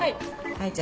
はい。